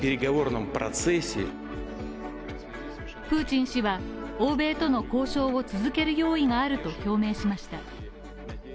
プーチン氏は欧米との交渉を続ける用意があると表明しました。